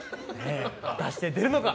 果たして出るのか？